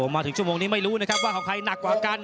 มาถึงชั่วโมงนี้ไม่รู้นะครับว่าของใครหนักกว่ากัน